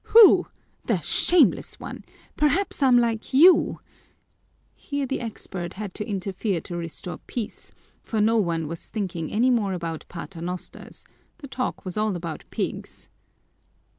"Who? The shameless one! Perhaps I'm like you " Here the expert had to interfere to restore peace, for no one was thinking any more about paternosters the talk was all about pigs.